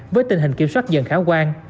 với tình hình kiểm soát dần khá quan